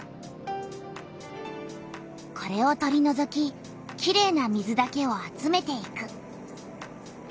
これを取りのぞききれいな水だけを集めていく。